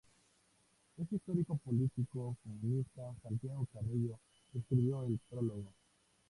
El histórico político comunista Santiago Carrillo escribió el prólogo.